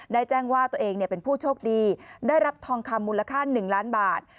แจ้งว่าตัวเองเป็นผู้โชคดีได้รับทองคำมูลค่า๑ล้านบาท